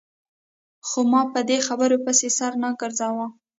خو ما په دې خبرو پسې سر نه ګرځاوه.